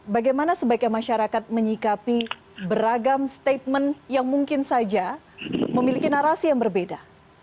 bagaimana sebaiknya masyarakat menyikapi beragam statement yang mungkin saja memiliki narasi yang berbeda